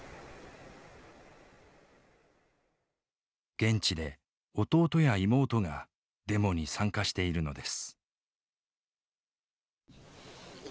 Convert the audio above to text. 現地で弟や妹がデモに参加しているのです。